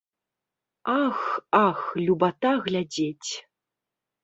Ах, ах, любата глядзець!